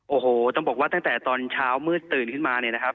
โอ้โหต้องบอกว่าตั้งแต่ตอนเช้ามืดตื่นขึ้นมา